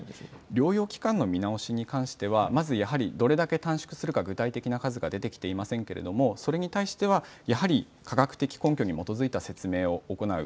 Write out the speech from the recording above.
療養期間の見直しに関してはまずやはり、どれだけ短縮するか具体的な数が出てきていませんけれどもそれに対しては、やはり科学的根拠に基づいた説明を行う。